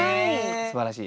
すばらしい。